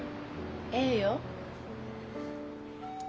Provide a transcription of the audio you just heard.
ええよ。